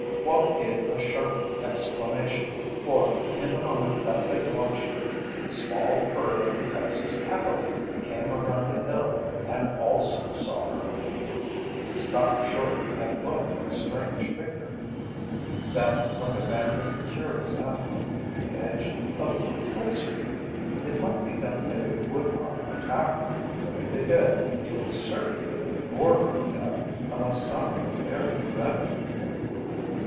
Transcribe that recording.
Wallie gave a sharp exclamation, for, in the moment that they watched her, a small herd of the Texas cattle came around a hill and also saw her. They stopped short, and looked at the strange figure. Then, like a band of curious antelope, they edged a little closer. It might be that they would not attack her, but, if they did, it was certain they would gore her to death unless someone was there to prevent it.